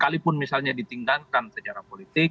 sekalipun misalnya ditinggalkan secara politik